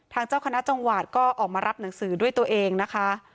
เจ้าคณะจังหวัดก็ออกมารับหนังสือด้วยตัวเองนะคะ